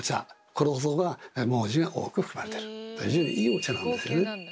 この方が毛茸が多く含まれてる非常にいいお茶なんですよね。